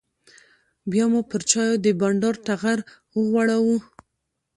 بیا مو پر چایو د بانډار ټغر وغوړاوه.